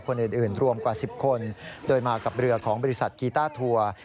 คนอื่นรวมกว่า๑๐คนโดยมากับเรือของบริษัทกีต้าทัวร์